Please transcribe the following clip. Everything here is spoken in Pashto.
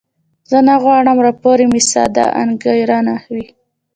زه نه غواړم راپور مې ساده انګارانه وي.